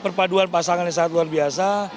perpaduan pasangan yang sangat luar biasa